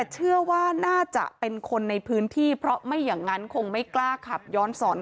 เพื่อไม่อย่างนั้นคงไม่กล้าขับย้อนสอน